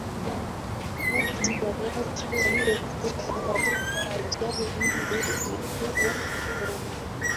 idadi ya watu waliyokufa katika ajali hiyo ilikuwa kubwa